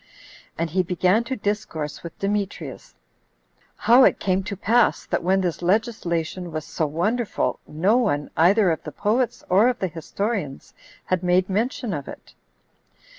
And he began to discourse with Demetrius, "How it came to pass, that when this legislation was so wonderful, no one, either of the poets or of the historians, had made mention of it."